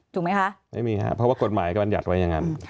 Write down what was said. ถูกไหมคะเถอะไม่มีคะว่ากฎหมายก็มันหยัดไว้ยังงั้น